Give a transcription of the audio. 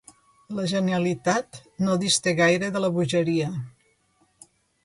La genialitat no dista gaire de la bogeria.